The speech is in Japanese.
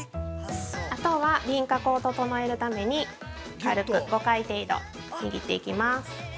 あとは、輪郭を整えるために軽く５回程度、握っていきます。